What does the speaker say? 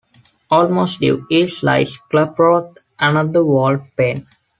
Almost due east lies Klaproth, another walled plain.